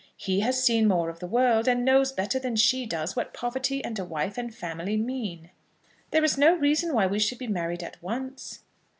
He has seen more of the world, and knows better than she does what poverty and a wife and family mean." "There is no reason why we should be married at once."